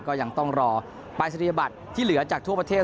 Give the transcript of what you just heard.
ก็ยังต้องรอปรายศนียบัตรที่เหลือจากทั่วประเทศ